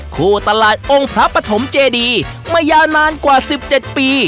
คู่ตลาดองค์พระภัทมเจดีมีระยะนานกว่าสิบเจ็ดปี